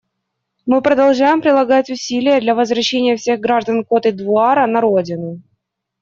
Мы продолжаем прилагать усилия для возвращения всех граждан Котд'Ивуара на родину.